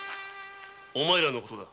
お前らのことだ。